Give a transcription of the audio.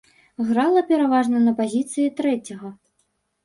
Грала пераважна на пазіцыі трэцяга.